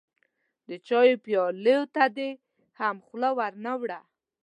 د چايو پيالې ته دې هم خوله ور نه وړه.